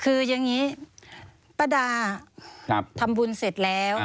คืออย่างนี้ป้าดาทำบุญเสร็จแล้ว